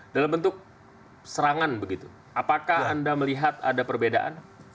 dalam bentuk serangan begitu apakah anda melihat ada perbedaan